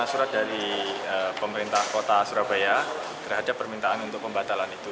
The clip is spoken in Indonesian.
kami sudah terima surat dari pemerintah kota surabaya terhadap permintaan untuk pembatalan itu